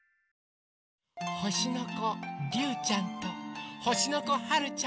ほしのこりゅうちゃんとほしのこはるちゃん。